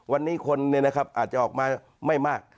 วันนี้คนเนี่ยนะครับอาจจะออกมาไม่มาก